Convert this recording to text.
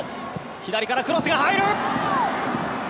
左からクロスが入る。